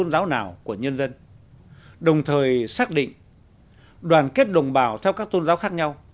tôn giáo nào của nhân dân đồng thời xác định đoàn kết đồng bào theo các tôn giáo khác nhau